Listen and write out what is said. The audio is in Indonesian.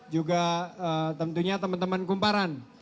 juga tentunya teman teman kumparan